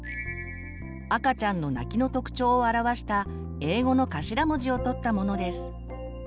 赤ちゃんの泣きの特徴を表した英語の頭文字を取ったものです。